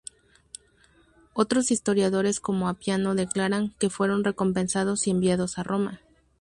Otros historiadores como Apiano declaran que fueron recompensados y enviados a Roma.